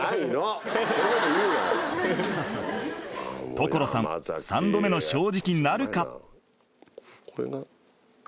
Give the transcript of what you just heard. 所さん三度目の正直なるか？